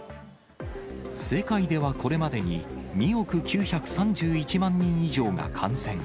世界ではこれまでに、２億９３１万人以上が感染。